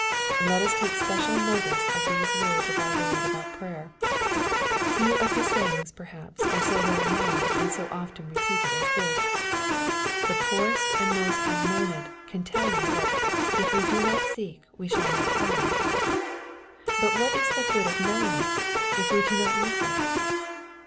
Let us take special notice of these words of our Lord about yrayer. Few of His sayings, perhaps, are so well known and so often repeated as this. The poorest and most unlearned can tell you, that "if we do not seek we L MATTHEW, CHAP. VII. 6A shall not find."' But what is the good of knowing it, if we do not use it